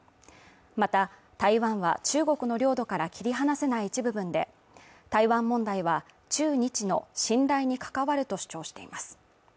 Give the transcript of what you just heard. また台湾は中国の領土から切り離せない一部分で台湾問題は中日の信頼に関わると主張しています